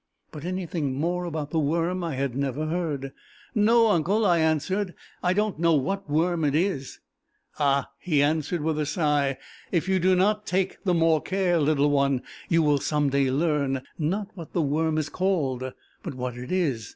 but anything more about the worm I had never heard. "No, uncle," I answered; "I don't know what worm it is." "Ah," he answered, with a sigh, "if you do not take the more care, little one, you will some day learn, not what the worm is called, but what it is!